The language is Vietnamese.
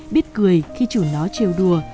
biết cười khi chủ nó trêu đùa